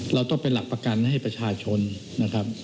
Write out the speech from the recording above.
เราต้องเป็นหลักประกันให้ประชาชนนะครับ